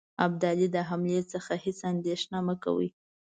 ابدالي د حملې څخه هیڅ اندېښنه مه کوی.